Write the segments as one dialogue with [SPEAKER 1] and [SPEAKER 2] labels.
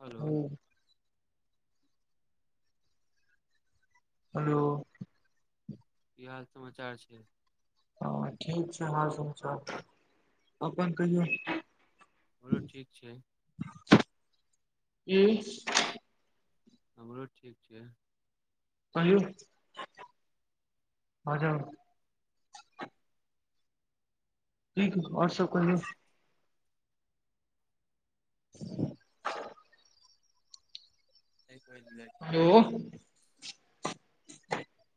[SPEAKER 1] हलो।
[SPEAKER 2] Hello
[SPEAKER 1] hello की हाल समाचार छै।
[SPEAKER 2] हँ ठीक छै हाल समाचार, अपन कहियौ।
[SPEAKER 1] हमरो ठीक छै
[SPEAKER 2] की!
[SPEAKER 1] हमरो ठीक छै।
[SPEAKER 2] कहियौ, आ जाउ। ठीक, और सब कहियौ ् [inaudible]
[SPEAKER 1] एक [unintelligible]
[SPEAKER 2] हेलो।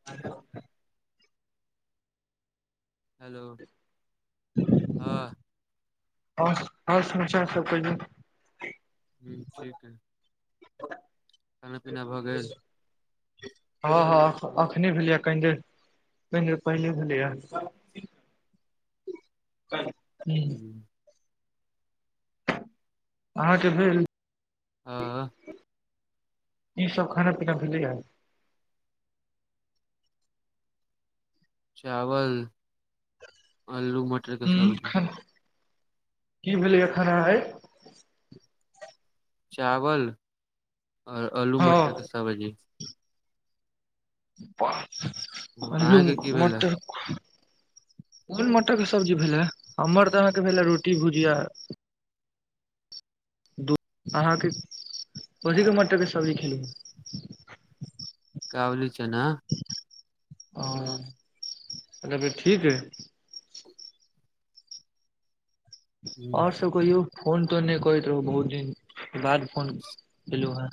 [SPEAKER 1] आ [unintelligible] हेलो, हँ।
[SPEAKER 2] और, और समाचार सब कहियौ।
[SPEAKER 1] हूँ ठीक अय।
[SPEAKER 2] [inaudible]
[SPEAKER 1] भऽ गेल
[SPEAKER 2] हँ हँ अखने भेलैए कनि देर, कनि देर पहिले भेलैए। क [unintelligible]
[SPEAKER 1] हूं।
[SPEAKER 2] अहाँके भेल?
[SPEAKER 1] आँ।
[SPEAKER 2] की सब खाना-पीना भेलैये।
[SPEAKER 1] चावल, अल्लू मट
[SPEAKER 2] हुं, खलौं, की भेलैये खेनै आई।
[SPEAKER 1] चावल और अल्लू
[SPEAKER 2] हँ
[SPEAKER 1] मटर के सब्जी।
[SPEAKER 2] बाह अल्लू
[SPEAKER 1] अहाँ के की भेले
[SPEAKER 2] मटर। कोन मटरके सब्जी भेलै हमर तऽ अहाँके भेले रोटी भुजिया। दू अहाँके कथी के मटरके सब्जी छलै।
[SPEAKER 1] कावली चना।
[SPEAKER 2] ओ तखन फेर ठीक अय। और
[SPEAKER 1] हम्म,
[SPEAKER 2] सब कहियौ। फोन-तोन नै करैत रहौं बहुत दिन बाद फोन केलू हैं।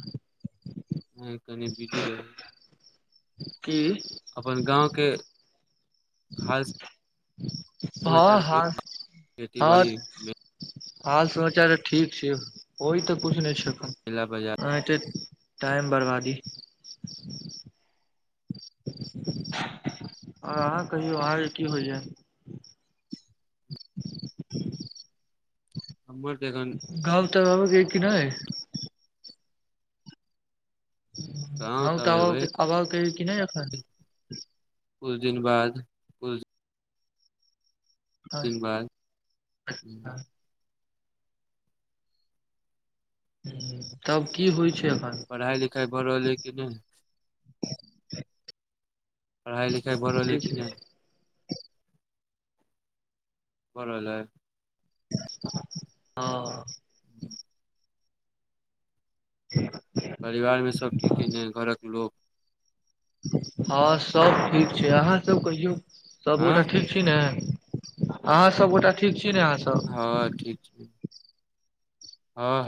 [SPEAKER 1] हं कनि बीजी रही।
[SPEAKER 2] की।
[SPEAKER 1] अपन गाँवके खास
[SPEAKER 2] हँ
[SPEAKER 1] [unintelligible] के खेती-बाड़ी में
[SPEAKER 2] हाल-समाचार तऽ ठीक छै होइ तऽ कुछ नै छै अखन।
[SPEAKER 1] कैला बजार
[SPEAKER 2] वैह त टाइम बर्बादी। अहाँ कहियौ, अहाँके की होइये। [inaudible]
[SPEAKER 1] हमर तऽ एखन
[SPEAKER 2] गाँम-ताँम आबै के अइ की नै?
[SPEAKER 1] गाँव
[SPEAKER 2] हम तऽ अब
[SPEAKER 1] एबै
[SPEAKER 2] अबावके कि अइ कि नै एखन?
[SPEAKER 1] कुछ दिन बाद- कुछ
[SPEAKER 2] अ
[SPEAKER 1] दिन बाद
[SPEAKER 2] अच्छा- तब की होइ छै एखन?
[SPEAKER 1] पढ़ाई-लिखाई भऽ रहल अइ कि नै? पढ़ाई-लिखाई भऽ रहल अइ
[SPEAKER 2] ठीक
[SPEAKER 1] कि
[SPEAKER 2] छै
[SPEAKER 1] नै? भऽ रहल अइ।
[SPEAKER 2] हँ।
[SPEAKER 1] हूं परिवार में सब ठीक अयने घरक लोक?
[SPEAKER 2] हँ सब ठीक छै आहाँ सब कहियौ सबगोटा
[SPEAKER 1] आँ
[SPEAKER 2] ठीक? छी ने आहाँ सबगोटा ठीक छी ने आहाँ सब?
[SPEAKER 1] हँ ठीक छी।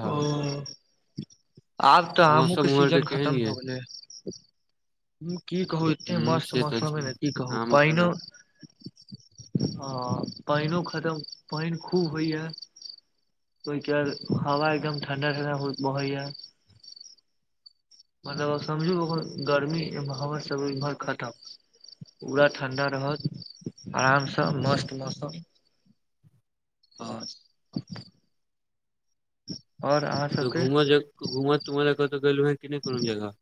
[SPEAKER 2] ओ- आब तऽ आमू के
[SPEAKER 1] मौसम उमहर
[SPEAKER 2] सीजन
[SPEAKER 1] केहन
[SPEAKER 2] खत्म
[SPEAKER 1] यै
[SPEAKER 2] भऽ गेलै की कहू ई। एत्ते
[SPEAKER 1] हूँ
[SPEAKER 2] मस्त
[SPEAKER 1] से तऽ
[SPEAKER 2] मौसम है
[SPEAKER 1] छै
[SPEAKER 2] न की कहू
[SPEAKER 1] आम एखन
[SPEAKER 2] पइनो- हँ पइनो खत्म पइन खूब होइया। ओय के बाद हवा एकदम ठंडा-ठंडा बहैया। मतलब आब समझू ओहन गर्मी ए हवा सब इम्हर खत्म। पूरा ठण्डा रहत आराम सँ मस्त मौसम। रहत
[SPEAKER 1] कतौ
[SPEAKER 2] सबके
[SPEAKER 1] घुमऽ जग घुमऽ-तुमऽ लै कतौ गेलौ हैं की नै कोनो जगह?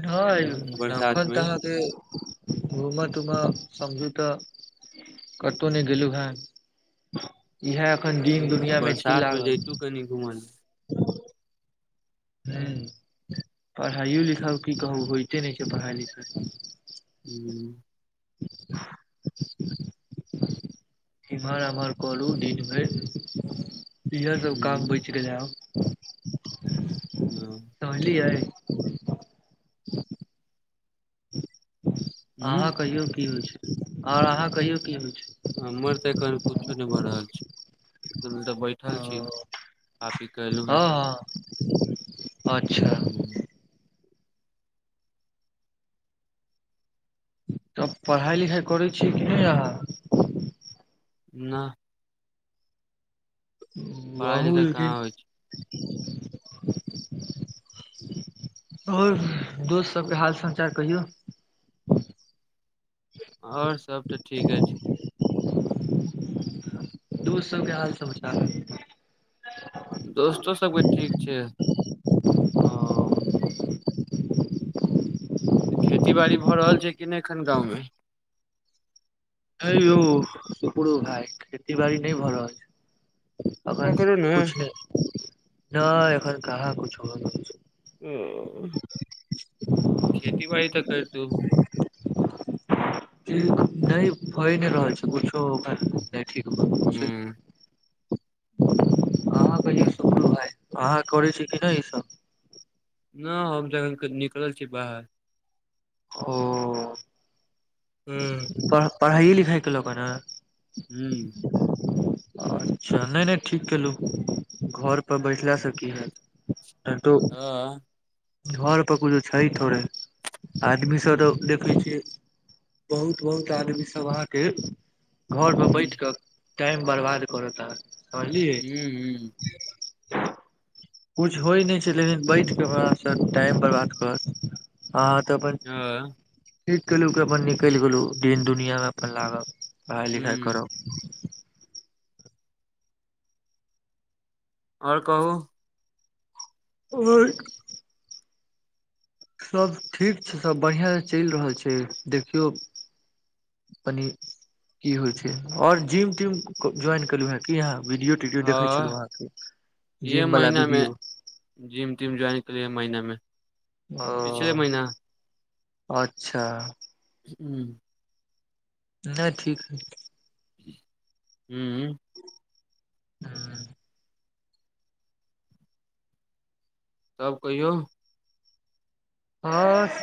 [SPEAKER 2] नैय
[SPEAKER 1] बरसात
[SPEAKER 2] तखन
[SPEAKER 1] मे
[SPEAKER 2] तऽ आहाँके- घुमऽ-तुमऽ समझू तऽ कतहु नै गेलू हेँ इएह एखन दिन दुनियामे छी लागल।
[SPEAKER 1] कनी घुमल-
[SPEAKER 2] [unintelligible] हूँ पढ़ाइो लिखाइ की कहू होयइते नै छै पढ़ाइ लिखाइ।
[SPEAKER 1] हूँ।
[SPEAKER 2] इम्हर -आम्हर करू दिनभैर। इहे सब काम
[SPEAKER 1] हूँ
[SPEAKER 2] बैच गेल आब।
[SPEAKER 1] हँ।
[SPEAKER 2] समझलियै? आहाँ
[SPEAKER 1] हूँ
[SPEAKER 2] कहियौ की होइ छै ओैर आहाँ कहियौ की होइ छै?
[SPEAKER 1] हमर तऽ एखन कुछो नै भऽ रहल छै [unintelligible] बैठल
[SPEAKER 2] छै
[SPEAKER 1] छी। खा पी कऽ एलु हें तऽ
[SPEAKER 2] हँ हँ अच्छा।
[SPEAKER 1] हूँ।
[SPEAKER 2] तब पढ़ाइ लिखाइ करै छीयै कि नै आहाँ?
[SPEAKER 1] न अ पढ़ाइ
[SPEAKER 2] बहू
[SPEAKER 1] लिखाइ
[SPEAKER 2] [unintelligible]
[SPEAKER 1] कहाँ होइ छै
[SPEAKER 2] और दोस्त सबके हाल समाचार कहियौ?
[SPEAKER 1] और सब तऽ ठीके छै।
[SPEAKER 2] दू सबके हाल समाचार की
[SPEAKER 1] दोस्तो सबके ठीक छै
[SPEAKER 2] हँ
[SPEAKER 1] हम्म खेती बाड़ी भ रहल छै कि नै एखन गाँव मे
[SPEAKER 2] ह यौ सुपुरो भाय खेती बाड़ी नै भ रहल छै अखन
[SPEAKER 1] पकड़ू ने
[SPEAKER 2] कछु नैय एखन कहाँ कुछौ भ रहल छै
[SPEAKER 1] हम्म खेती बाड़ी त करितो
[SPEAKER 2] ठीक नै यों भै नै रहल छै कुछो उपाय नै ठीक भारहल छै
[SPEAKER 1] ह
[SPEAKER 2] आहा कहियों सुपलू भाइ अहाँ करै छी कि न ई सभ
[SPEAKER 1] न हम जखन निकल छी बाहर
[SPEAKER 2] ओ
[SPEAKER 1] ह ह
[SPEAKER 2] पढ़ा पढ़ाइए लिखाइ के लो के न
[SPEAKER 1] हम्म
[SPEAKER 2] [unintelligible] अच्छा नै नै ठीक केलहु घर पर बैठला से की हैत एतो
[SPEAKER 1] [unintelligible]
[SPEAKER 2] घर पर कुछो छै थोड़े आदमी सब त देखै छियै बहुत बहुत आदमी सब अहाँ के घर पर बैठ क टाइम बर्बाद करत आहा पढ़लिए
[SPEAKER 1] ह ह
[SPEAKER 2] किछु होइ नै छै लेकिन बैठ के टाइम बर्बाद कर अहाँ त
[SPEAKER 1] ह
[SPEAKER 2] अपयें ठीक केलु के अपन निकाइल गेलु दिन दुनिया मे अपन लागब पढ़ाई लिखाई करब
[SPEAKER 1] ओर कहु
[SPEAKER 2] [unintelligible] सभ ठीक छै सभ बढ़िया से चलि रहल छै देखियौ पनि की होइ छै और जिम तीम ज्वाइन केलु हें की आहाँ वीडियो वीडियो देखे छलु
[SPEAKER 1] हँ
[SPEAKER 2] अहाँ के
[SPEAKER 1] इहे
[SPEAKER 2] जिम वाला
[SPEAKER 1] महिना मे
[SPEAKER 2] वीडियो
[SPEAKER 1] जिम तिम ज्वाइन केलिए महिना मे पिछले
[SPEAKER 2] ओ
[SPEAKER 1] महिना
[SPEAKER 2] अच्छा
[SPEAKER 1] हम्म
[SPEAKER 2] नै ठीक ऐ
[SPEAKER 1] हम्म
[SPEAKER 2] हम्म
[SPEAKER 1] तब कहियौ
[SPEAKER 2] अस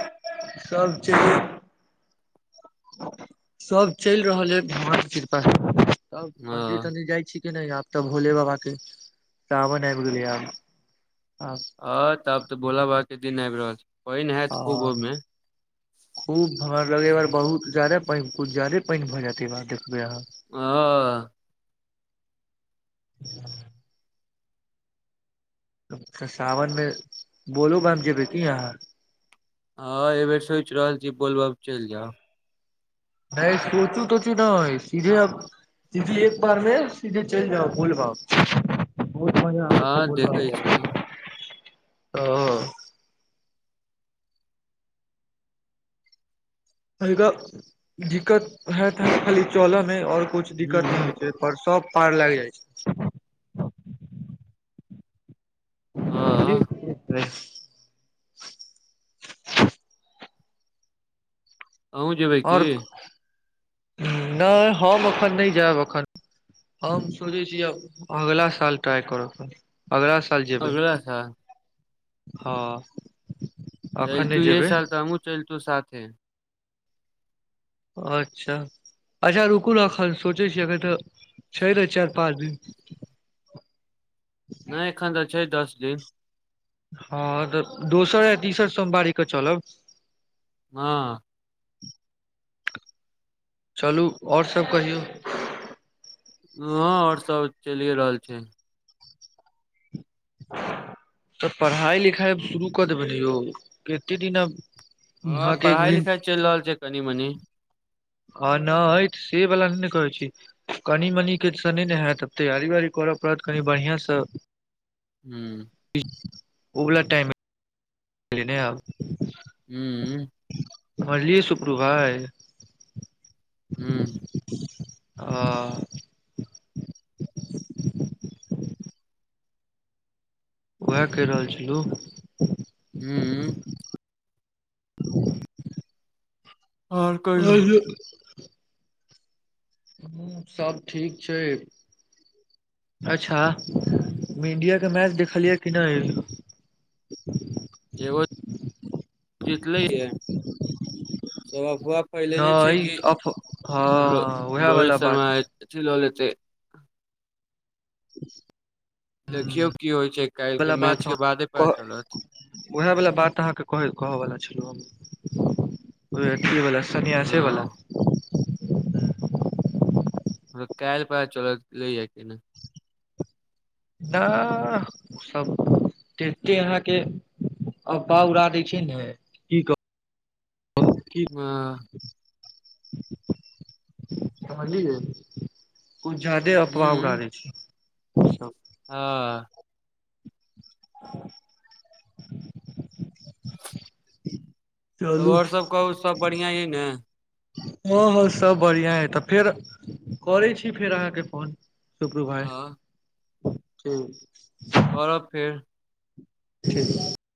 [SPEAKER 2] सभ छै सब चलि रहल ऐ भगवान के कृपा से तब मंदिर
[SPEAKER 1] हँ
[SPEAKER 2] तंदिर जाय छी के ने य तब भोले बाबा के सावण आबि गेलै आब आब
[SPEAKER 1] ह तब त भोला बाबा के दिन आबि रहल छै पानि हैत खूब
[SPEAKER 2] आब
[SPEAKER 1] ओहि मे
[SPEAKER 2] खूब भर लगैय ए बार बहुत जादे कुछ ज्यादे पानि भ जायतै ए बार देखबै अहाँ
[SPEAKER 1] हँ
[SPEAKER 2] त सावन मे बोलो बम जेबै की अहाँ
[SPEAKER 1] हँ एहि बेर सोचि रहल छी बोल बम चलि जाउ
[SPEAKER 2] नै सोचू तोचू नै सीधे अब सीदी एक बार मे सीधी चलि जाउ बोलबम बहुत मजा आबै छै
[SPEAKER 1] हँ
[SPEAKER 2] बोलबम
[SPEAKER 1] देखै
[SPEAKER 2] में।
[SPEAKER 1] छियै
[SPEAKER 2] दिक्कत हेत ह खाली चलऽ मे ओर कुछ दिक्कत नहि
[SPEAKER 1] ह
[SPEAKER 2] होइत छै। पर सब पार लागि जाइ छै। जी
[SPEAKER 1] हँ
[SPEAKER 2] रिफ्रेश।
[SPEAKER 1] अहूँ जेबै की
[SPEAKER 2] ओर नै हम एखन नहि जायब एखन। हम सोचै छी आब अगिला साल ट्राइ करब। अगलाह साल जेबै
[SPEAKER 1] अगला साल
[SPEAKER 2] हँ। अखन नहि
[SPEAKER 1] चलतू यहे
[SPEAKER 2] जेबै
[SPEAKER 1] साल तऽ हमू चलतू साथे।
[SPEAKER 2] अच्छा! अच्छा रुकू ने एखन सोचै छिय अखन तऽ छै नै चारि पाँच दिन।
[SPEAKER 1] नहि एखन तऽ छै दस दिन।
[SPEAKER 2] हँ तऽ दोसर आ तीसर सोमवारीे कऽ चलब।
[SPEAKER 1] हँ।
[SPEAKER 2] चलू ओर सब कहियौ।
[SPEAKER 1] हँ और सब चलिए रहल छै।
[SPEAKER 2] तऽ पढ़ाइ लिखाइब
[SPEAKER 1] हँ
[SPEAKER 2] शुरू कऽ देबनि ने यौ कतेक दिन आब।
[SPEAKER 1] हँ पढ़ाई- लिखाई चलि रहल छै कनि- मनी।
[SPEAKER 2] हँ न से बला नहि ने कहे छी। कनि मनिके से नहि ने हैत आब तैयारी- वयारी करय पड़त कनि बढ़िआँसँ।
[SPEAKER 1] हूं।
[SPEAKER 2] ओ बला टाइम में। लेने आउ।
[SPEAKER 1] हूंऽ।
[SPEAKER 2] सझलियए सुपरु भाय।
[SPEAKER 1] हूं।
[SPEAKER 2] ह। उएह कहि रहल छलहुँ।
[SPEAKER 1] हूंऽ। और कहियो।
[SPEAKER 2] हमहूं सब ठीक छै अच्छा।
[SPEAKER 1] हू।
[SPEAKER 2] मिडिया के मैच देखलियै कि नै?
[SPEAKER 1] एगो जीतलै या सबहक पहिले जे छै
[SPEAKER 2] नहि
[SPEAKER 1] कि
[SPEAKER 2] अफ
[SPEAKER 1] रो-
[SPEAKER 2] हँ उएह वाला
[SPEAKER 1] रोहित
[SPEAKER 2] बात
[SPEAKER 1] शर्मा अथी लऽ लेतै। देखियौ की होइ छै, काल्हि
[SPEAKER 2] वाला
[SPEAKER 1] के
[SPEAKER 2] बात
[SPEAKER 1] मैच
[SPEAKER 2] हम
[SPEAKER 1] के बादे पता
[SPEAKER 2] कह
[SPEAKER 1] चलत।
[SPEAKER 2] उएह वला बात अहाँके केकह- कहवला छलो हम वएह अथियेबला। सन्यासे बला।
[SPEAKER 1] हँ, कैऽल पता चलत लैऽ यऽकी नै।
[SPEAKER 2] सभ तते अहाँके। अफबा उरा दै छै ने की कह
[SPEAKER 1] हँ।
[SPEAKER 2] समझलिए। कुछ जादे अफवाह उडा दय छै सब।
[SPEAKER 1] हँ।
[SPEAKER 2] [inaudible]
[SPEAKER 1] तब
[SPEAKER 2] चलू
[SPEAKER 1] और सब कहु सब बढ़ियाँ इ ने।
[SPEAKER 2] हां-हां सब बढ़ियाँ अय तऽ फेर करै छी फेर अहाँ के फोन। सुपरू भाय,
[SPEAKER 1] हँ
[SPEAKER 2] ठीक।
[SPEAKER 1] करब फेर।
[SPEAKER 2] ठीक।